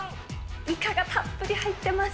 いかがたっぷり入ってます。